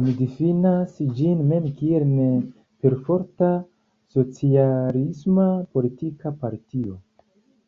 Oni difinas ĝin mem kiel ne-perforta socialisma politika partio.